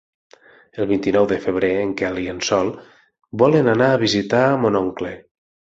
El vint-i-nou de febrer en Quel i en Sol volen anar a visitar mon oncle.